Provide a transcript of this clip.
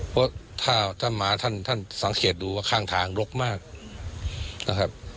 เพราะถ้าท่านมาท่านท่านสังเกตดูว่าข้างทางรกมากนะครับ